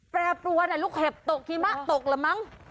แปรปรวนลูกเห็บตกหิมะตกละมั้ง